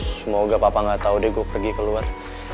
semoga papa gak tau deh gue pergi keluar